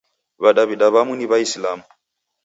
W'adaw'ida w'amu ni W'aisilamu.